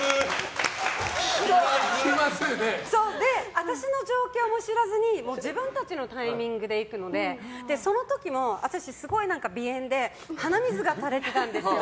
で、私の状況も知らずに自分たちのタイミングで行くのでその時も私すごい鼻炎で鼻水が垂れてたんですよ。